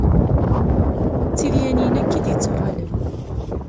D tidyanin akk i d-yettuɣalen.